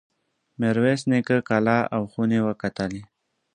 میرویس نیکه کلا او خونې وکتلې.